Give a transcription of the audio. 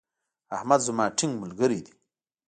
احمد زما ټينګ ملګری دی.